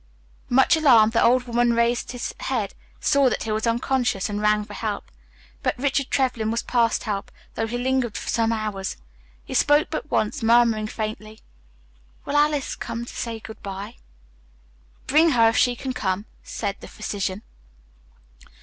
Much alarmed, the woman raised his head, saw that he was unconscious, and rang for help. But Richard Trevlyn was past help, though he lingered for some hours. He spoke but once, murmuring faintly, "Will Alice come to say good bye?" "Bring her if she can come," said the physician.